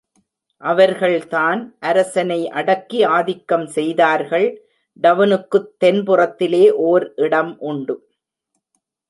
அவர்கள் தான் அரசனை அடக்கி ஆதிக்கம் செய்தார்கள். டவுனுக்குத் தென்புறத்திலே ஓர் இடம் உண்டு.